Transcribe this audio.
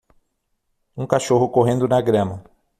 Um cachorro correndo na grama